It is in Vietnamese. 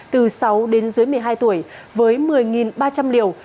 từ sáu đến dưới một mươi hai tuổi với một mươi ba trăm linh liều